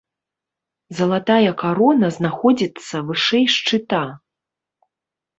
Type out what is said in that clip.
Залатая карона знаходзіцца вышэй шчыта.